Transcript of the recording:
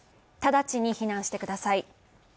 直ちに避難してください。